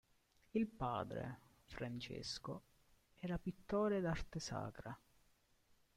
Il padre, Francesco, era pittore d'arte sacra.